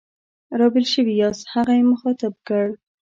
را بېل شوي یاست؟ هغه یې مخاطب کړ.